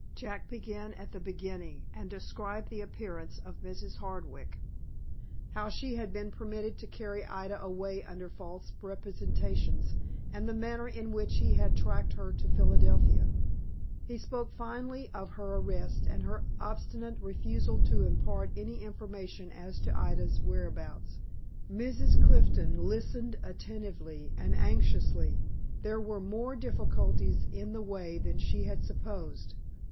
Jack began at the beginning, and described the appearance of Mrs. Hardwick; how she had been permitted to carry Ida away under false representations, and the manner in which he had tracked her to Philadelphia. He spoke finally of her arrest, and her obstinate refusal to impart any information as to Ida's whereabouts. Mrs. Clifton listened attentively and anxiously. There were more difficulties in the way than she had supposed.